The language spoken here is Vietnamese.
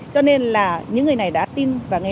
cho nên là những người này đã tin và nghe